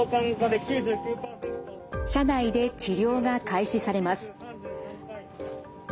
車内で治療が開始されます。